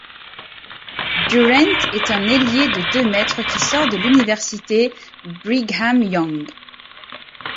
Durrant est un ailier de deux mètres qui sort de l'Université Brigham Young.